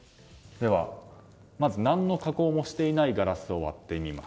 まず何の加工をしていないガラスを割っています。